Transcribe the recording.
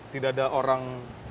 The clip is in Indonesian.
tidak ada orang